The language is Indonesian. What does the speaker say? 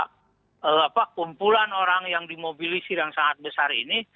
karena kumpulan orang yang dimobilisir yang sangat besar ini